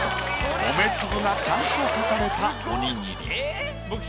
米粒がちゃんと描かれたおにぎり。